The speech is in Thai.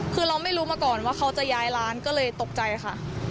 คือเราไม่รู้มาก่อนว่าเขาจะย้ายร้านก็เลยตกใจค่ะ